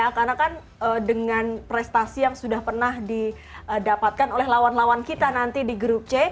karena kan dengan prestasi yang sudah pernah didapatkan oleh lawan lawan kita nanti di grup c